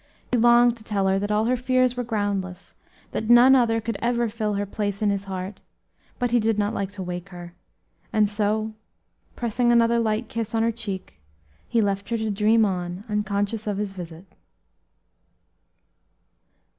He longed to tell her that all her fears were groundless, that none other could ever fill her place in his heart, but he did not like to wake her, and so, pressing another light kiss on her cheek, he left her to dream on unconscious of his visit.